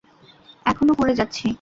এখনো করে যাচ্ছি।